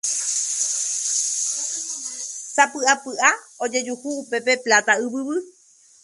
Sapy'apy'a ojejuhu upépe Pláta Yvyguy.